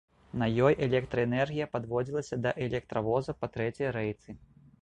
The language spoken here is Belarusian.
На ёй электраэнергія падводзілася да электравоза па трэцяй рэйцы.